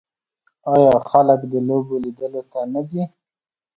آیا خلک د لوبو لیدلو ته نه ځي؟